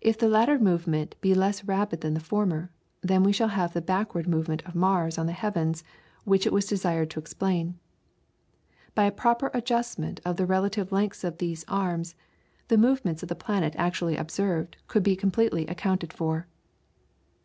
If the latter movement be less rapid than the former, then we shall have the backward movement of Mars on the heavens which it was desired to explain. By a proper adjustment of the relative lengths of these arms the movements of the planet as actually observed could be completely accounted for.